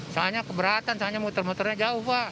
soalnya keberatan soalnya motor motornya jauh pak